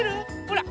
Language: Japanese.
ほら。